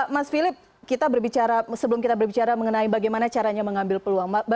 mas filip sebelum kita berbicara mengenai bagaimana caranya mengambil peluang